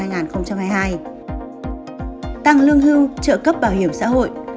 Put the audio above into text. tăng lương hưu trợ cấp bảo hiểm xã hội